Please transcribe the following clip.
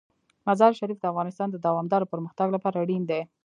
مزارشریف د افغانستان د دوامداره پرمختګ لپاره اړین دي.